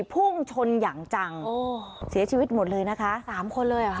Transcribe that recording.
พุ่งชนอย่างจังโอ้เสียชีวิตหมดเลยนะคะสามคนเลยเหรอค